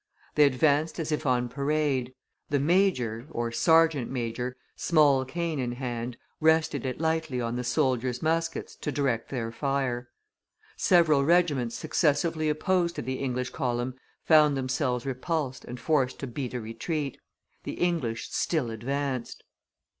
They advanced as if on parade; the majors [?sergeant majors], small cane in hand, rested it lightly on the soldiers' muskets to direct their fire. Several regiments successively opposed to the English column found themselves repulsed and forced to beat a retreat; the English still advanced.